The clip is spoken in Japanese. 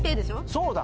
そうだ！